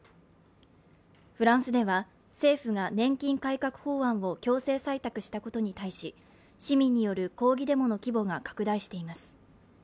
フランスでは、政府が年金改革法案を強制採択したことに対し市民による抗議デモの規模が拡大しています。